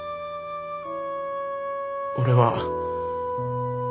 俺は。